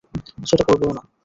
সেটা করবোও না।